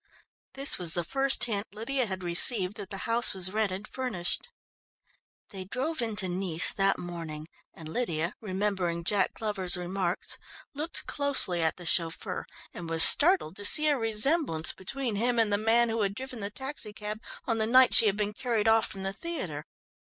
This was the first hint Lydia had received that the house was rented furnished. They drove into Nice that morning, and Lydia, remembering Jack Glover's remarks, looked closely at the chauffeur, and was startled to see a resemblance between him and the man who had driven the taxicab on the night she had been carried off from the theatre.